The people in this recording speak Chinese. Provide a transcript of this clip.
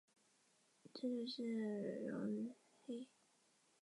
野村在非玩家角色的创建中却并不采用复杂的手法。